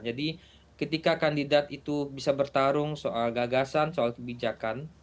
jadi ketika kandidat itu bisa bertarung soal gagasan soal kebijakan